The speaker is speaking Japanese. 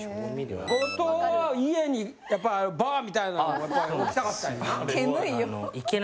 後藤は家にやっぱりバーみたいなんを置きたかったんやな。